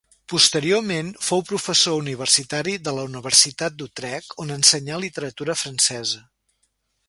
Posteriorment fou professor universitari de la Universitat d'Utrecht, on ensenyà literatura francesa.